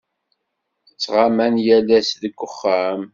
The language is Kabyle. Ttɣaman yal ass deg uxxam.